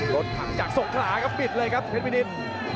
รถผ่านจากศกขหาครับปิดเลยครับเพฟเวนิส